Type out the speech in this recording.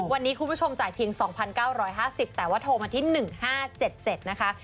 วันนี้คุณผู้ชมจ่ายเพียง๒๙๕๐แต่ว่าโทรมาที่๑๕๗๗นะคะ